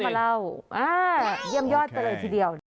เยี่ยมยอดไปเลยทีเดียว